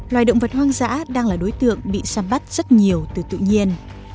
loài động vật hoang dã đang là đối tượng bị xăm bắt rất nhiều từ tự nhiên